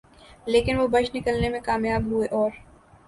لیکن وہ بچ نکلنے میں کامیاب ہوئے اور